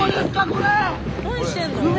これ！